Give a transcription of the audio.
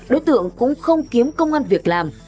đối tượng cũng không kiếm công an việc làm